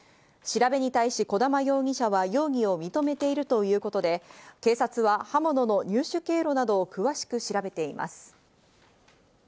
調べに対し児玉容疑者は容疑を認めているということで、警察は刃物の入手経路などを詳しく調べています。